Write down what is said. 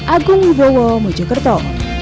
agung ibowo mojokerto